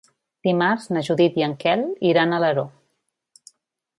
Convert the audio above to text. Dimarts na Judit i en Quel iran a Alaró.